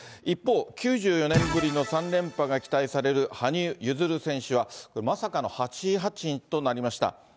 一方、９４年ぶりの３連覇が期待される羽生結弦選手は、まさかの８位発進となりました。